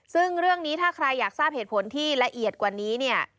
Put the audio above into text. ซึ่งเรื่องนี้ถ้าใครอยากทราบเหตุผลที่ละเอียดกว่านี้เนี่ย